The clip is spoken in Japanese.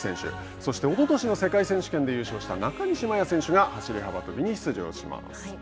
そしておととしの世界選手権で優勝した中西麻耶選手が走り幅跳びに出場します。